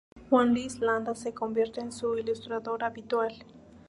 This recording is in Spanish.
Juan Luis Landa se convierte en su ilustrador habitual.